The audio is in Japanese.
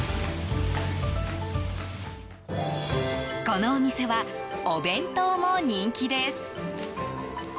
このお店はお弁当も人気です。